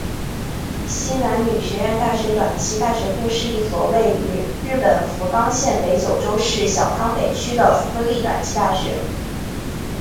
西南女学院大学短期大学部是一所位于日本福冈县北九州市小仓北区的私立短期大学。